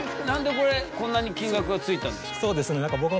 何でこれこんなに金額がついたんですか？